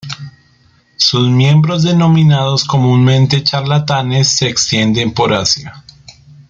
Sus miembros, denominados comúnmente charlatanes, se extienden por Asia.